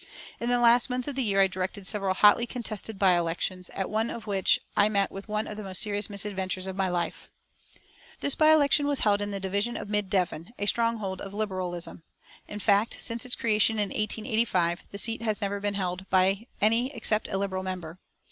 In the last months of the year, I directed several hotly contested by elections, at one of which I met with one of the most serious misadventures of my life. This by election was held in the division of Mid Devon, a stronghold of Liberalism. In fact, since its creation in 1885, the seat has never been held by any except a Liberal member.